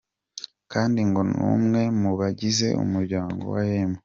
Kandi ngo n’umwe mu bagize umuryango wa M.